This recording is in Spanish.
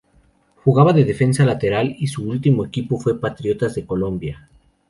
Jugaba de defensa lateral y su último equipo fue Patriotas de Colombia.